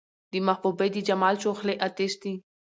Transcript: د محبوبې د جمال شغلې اۤتش دي